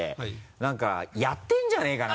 何かやってんじゃねぇかな？